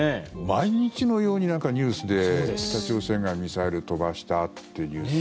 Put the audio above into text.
毎日のようになんかニュースで北朝鮮がミサイル飛ばしたってニュース